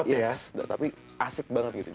iya tapi asik banget gitu